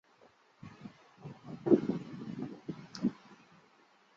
美国国内航班则可以合法的托运枪支。